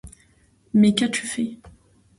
Mais qu’as-tu fait ?